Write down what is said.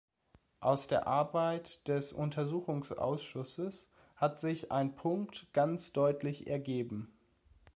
Aus der Arbeit des Untersuchungsausschusses hat sich ein Punkt ganz deutlich ergeben.